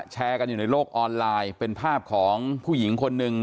แชร์กันอยู่ในโลกออนไลน์เป็นภาพของผู้หญิงคนหนึ่ง